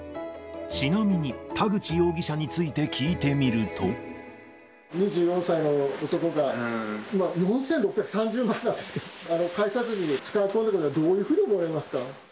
ちなみに田口容疑者について２４歳の男が、４６３０万円なんですけど、返さずに使い込んだことは、どういうふうに思われますか？